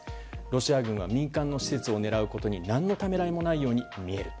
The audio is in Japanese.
ロシア軍は民間の施設を狙うことに何のためらいもないように見える。